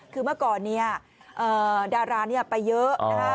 คือเมื่อก่อนนี้ดาราไปเยอะ